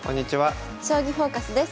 「将棋フォーカス」です。